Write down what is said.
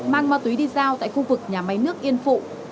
mang ma túy đi giao tại khu vực nhà máy nước yên phụ